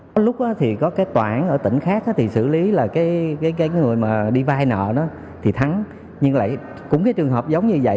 có lúc thì có cái tòa án ở tỉnh khác thì xử lý là cái người mà đi vai nợ đó thì thắng nhưng lại cũng cái trường hợp giống như vậy